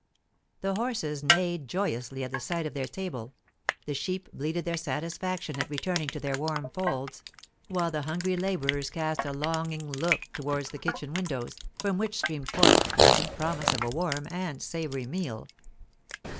The horses neighed joyously at the sight of their stable, the sheep bleated their satisfaction at returning to their warm folds, while the hungry labourers cast a longing look towards the kitchen windows, from which streamed forth pleasant promise of a warm and savoury meal.